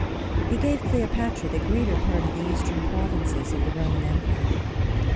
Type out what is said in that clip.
He gave Cleopatra the greater part of the eastern provinces of the Roman empire.